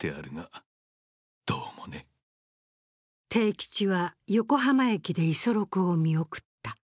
悌吉は、横浜駅で五十六を見送った。